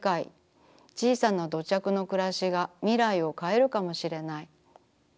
ちいさな土着のくらしがみらいをかえるかもしれない。